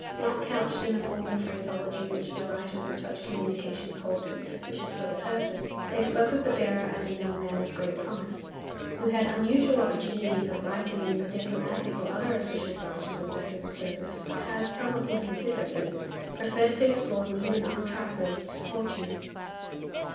Not couched in the formal phraseology which the writers of such communications hold to be sufficient for the purpose, they spoke of the bearer as a young man of great promise, who had unusual opportunities of rising in the diplomatic or other official branches of the Civil Service, but had, somewhat inconsiderately, preferred to explore new and untried roads to fortune.